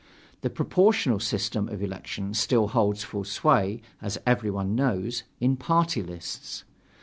The proportional system of elections still holds full sway, as every one knows, in party lists.